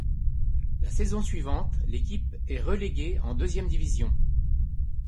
La saison suivante, l'équipe est reléguée en deuxième division.